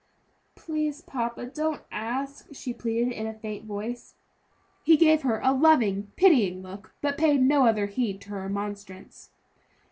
"Please, papa, don't ask," she pleaded in a faint voice. He gave her a loving, pitying look, but paid no other heed to her remonstrance.